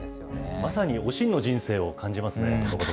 まさにおしんの人生を感じますね。